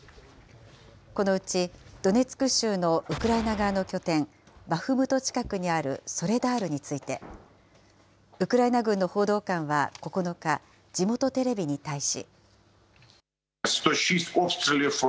このうちドネツク州のウクライナ側の拠点、バフムト近くにあるソレダールについて、ウクライナ軍の報道官は９日、地元テレビに対し。